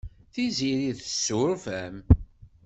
Tiziri tessuref-am.